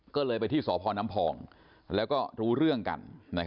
ก็เลยไปที่สพน้ำพองแล้วก็รู้เรื่องกัน